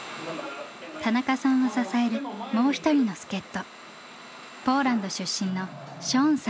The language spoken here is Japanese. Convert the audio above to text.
田中さんを支えるもう一人の助っ人。